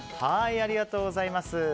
ありがとうございます。